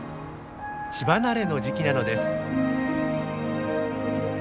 乳離れの時期なのです。